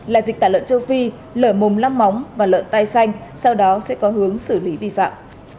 là dịch tả lợn châu phi lở mùm lắp móng và lợn tay xanh sau đó sẽ có hướng xử lý vi phạm